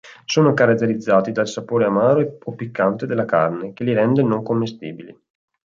Sono caratterizzati dal sapore amaro o piccante della carne, che li rende non commestibili.